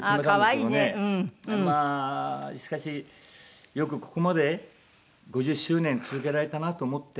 まあしかしよくここまで５０周年続けられたなと思って。